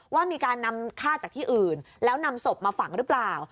ว่ามีการนำฆ่าจากที่อื่นแล้วนำศพมาฝังหรือเปล่า